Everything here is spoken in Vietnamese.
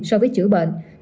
so với chữa bệnh